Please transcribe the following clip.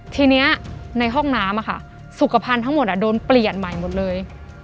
ทีนี้ในห้องน้ำสุขภัณฑ์ทั้งหมดโดนเปลี่ยนใหม่หมดเลย